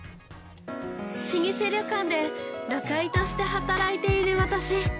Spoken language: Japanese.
◆老舗旅館で仲居として働いている私。